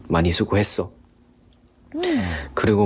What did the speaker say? ไม่มีที่พูดต่อ